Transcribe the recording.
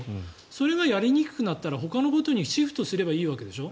それがやりにくくなったらほかのことにシフトすればいいわけでしょ。